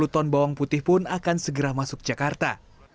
satu satu ratus enam puluh ton bawang putih pun akan segera masuk jakarta